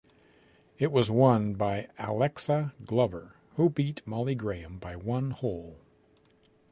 It was won by Alexa Glover who beat Molly Graham by one hole.